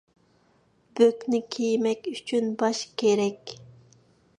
بۆكنى كىيمەك ئۈچۈن باش كېرەك.